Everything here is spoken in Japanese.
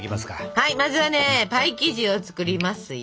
はいまずはねパイ生地を作りますよ。